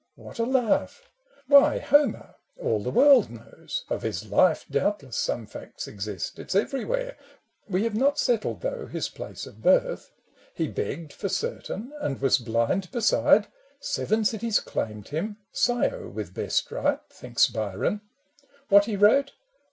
"— what a laugh ! "Why, Homer, all the world knows: of his life Doubtless some facts exist : it 's everywhere : We have not settled, though, his place of birth : He begged, for certain, and was blind beside : FANCIES AND FACTS 127 Seven cities claimed him — Scio, with best right, Thinks Byron. What he wrote